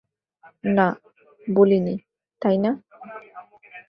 না, বলিনি, তাই না?